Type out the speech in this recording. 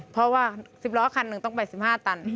เพราะว่า๑๐ล้อคันหนึ่งต้องไป๑๕ตัน